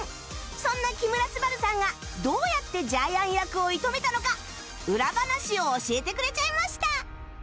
そんな木村昴さんがどうやってジャイアン役を射止めたのか裏話を教えてくれちゃいました